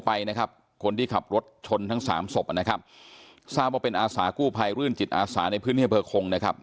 ไปนะครับคนที่ขับรถชนทั้งสามศพนะครับทราบว่าเป็นอาสากู้ภัยรื่นจิตอาสาในพื้นที่อำเภอคงนะครับ